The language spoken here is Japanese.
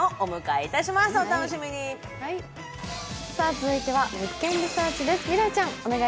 続いては「物件リサーチ」です。